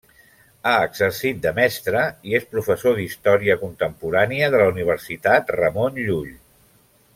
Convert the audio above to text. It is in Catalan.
Ha exercit de mestre i és professor d'Història Contemporània de la Universitat Ramon Llull.